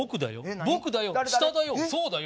僕だよ